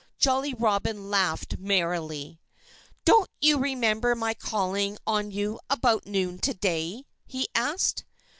Jolly Robin laughed merrily. "Don't you remember my calling on you about noon to day?" he asked.